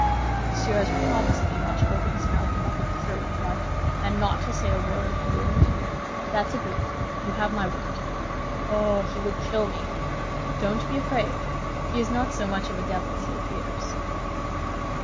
"Monsieur has promised me not to open his mouth about the procurator's wife, and not to say a word of the wound?" "That's agreed; you have my word." "Oh, he would kill me!" "Don't be afraid; he is not so much of a devil as he appears."